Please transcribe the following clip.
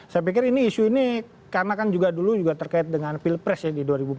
saya pikir ini isu ini karena kan juga dulu juga terkait dengan pilpres ya di dua ribu empat belas